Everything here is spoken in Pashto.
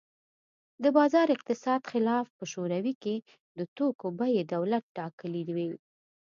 د بازار اقتصاد خلاف په شوروي کې د توکو بیې دولت ټاکلې وې